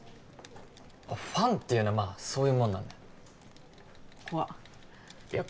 ファンっていうのはまあそういうもんなんだよ怖っいや